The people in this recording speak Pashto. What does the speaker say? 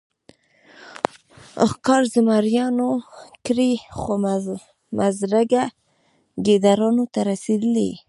ښکار زمریانو کړی خو مړزکه ګیدړانو ته رسېدلې.